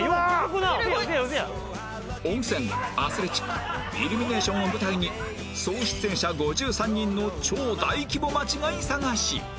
温泉アスレチックイルミネーションを舞台に総出演者５３人の超大規模間違い探し